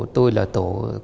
tôi là tổ